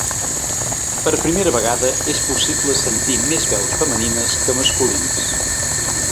Per primera vegada, és possible sentir més veus femenines que masculines.